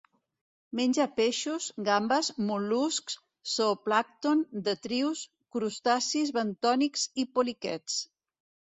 Menja peixos, gambes, mol·luscs, zooplàncton, detritus, crustacis bentònics i poliquets.